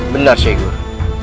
benar syekh guru